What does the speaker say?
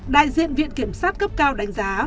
đại diện viện kiểm sát cấp cao đánh giá